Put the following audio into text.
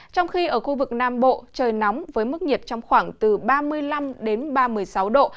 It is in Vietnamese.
trong khi ở khu vực nam bộ trời nóng với mức nhiệt trong khoảng từ ba mươi năm đến ba mươi sáu độ